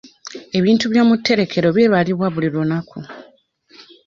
Ebintu by'omutterekero bibalibwa buli lunaku.